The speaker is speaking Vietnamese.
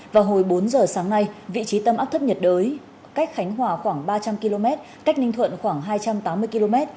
vào hồi bốn giờ sáng nay vị trí tâm áp thấp nhiệt đới cách khánh hòa khoảng ba trăm linh km cách ninh thuận khoảng hai trăm tám mươi km